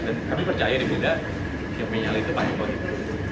dan kami percaya di bumn yang punya nyali itu paling bagus